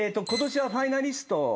ことしはファイナリスト。